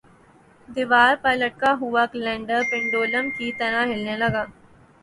دیوار پر لٹکا ہوا کیلنڈر پنڈولم کی طرح ہلنے لگا